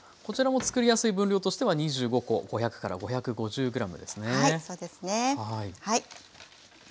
こちらもつくりやすい分量としては２５コ５００５５０ｇですね。